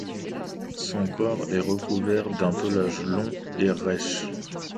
Son corps est recouvert d'un pelage long et rêche.